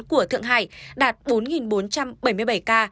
của thượng hải đạt bốn bốn trăm bảy mươi bảy ca